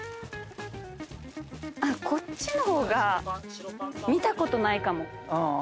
こっちの方が見たことないかも。